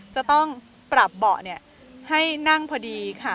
จะต้องปรับเบาะให้นั่งพอดีค่ะ